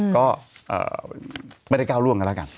ก็ไม่ได้ก้าวล่วงกันแล้วกัน